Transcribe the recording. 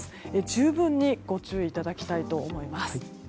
十分にご注意いただきたいと思います。